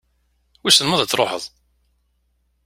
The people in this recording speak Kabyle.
Wissen ma ad truḥeḍ?